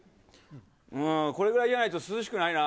これぐらいじゃないと、涼しくないな。